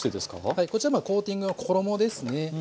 はいこちらまあコーティングの衣ですね。